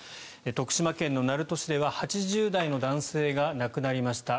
徳島県鳴門市では８０代の男性が亡くなりました。